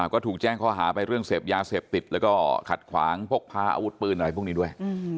ก็ถูกแจ้งข้อหาไปเรื่องเสพยาเสพติดแล้วก็ขัดขวางพกพาอาวุธปืนอะไรพวกนี้ด้วย